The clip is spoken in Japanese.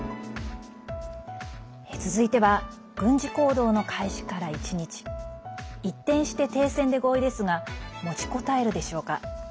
続いては軍事行動の開始から１日一転して停戦で合意ですが持ちこたえるでしょうか。